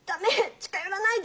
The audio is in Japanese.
近寄らないで。